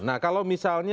nah kalau misalnya